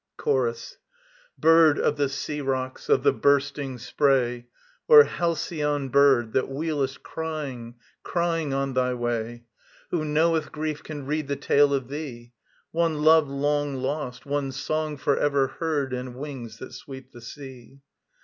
] CHORUS. [STROPHE I.] Bird of the sea rocks, of the bursting spray, O halcyon bird, That wheelest crying, crying, on thy way; Who knoweth grief can read the tale of thee: One love long lost, one song for ever heard And wings that sweep the sea.